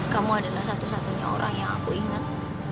kamu adalah satu satunya orang yang aku ingat